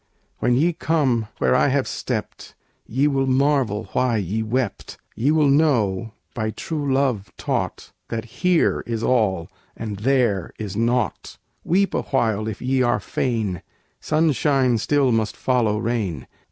When ye come where I have stepped, Ye will marvel why ye wept; Ye will know, by true love taught, That here is all, and there is naught. Weep awhile, if ye are fain, Sunshine still must follow rain!